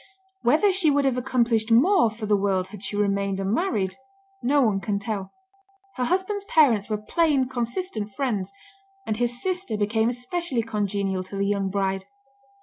Whether she would have accomplished more for the world had she remained unmarried, no one can tell. Her husband's parents were "plain, consistent friends," and his sister became especially congenial to the young bride.